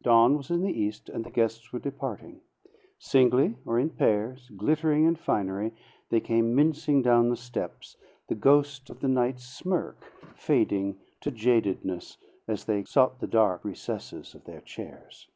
Dawn was in the east, and the guests were departing. Singly or in pairs, glittering in finery, they came mincing down the steps, the ghost of the night's smirk fading to jadedness as they sought the dark recesses of their chairs.